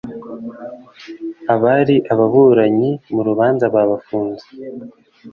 abari ababuranyi mu rubanza babafunze.